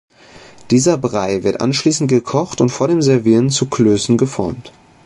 Dieser Brei wird anschließend gekocht und vor dem Servieren zu Klößen geformt.